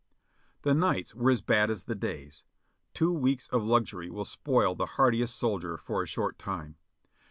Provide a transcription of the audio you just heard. The nights were as bad as the days. Two weeks of luxury will spoil the hardiest soldier for a short time.